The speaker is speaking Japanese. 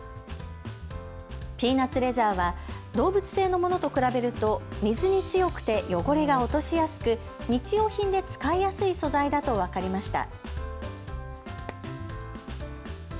ピーナツレザーは動物園のものと比べると水に強くて汚れが落としやすく日用品で使いやすい素材だと分かりました。